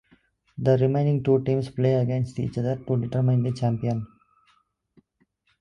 The remaining two teams play against each other to determine the champion.